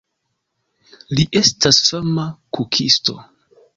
Li estas fama kukisto.